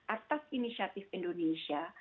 atas inisiatif indonesia